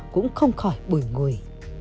cũng không khỏi bùi ngùi